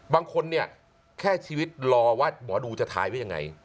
บางคนเนี่ยแค่ชีวิตรอว่าหมอดูจะทายไว้ยังไง